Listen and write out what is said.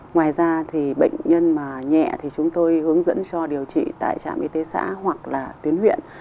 ngoài ra thì bệnh nhân mà nhẹ thì chúng tôi hướng dẫn cho điều trị tại trạm y tế xã hoặc là tuyến huyện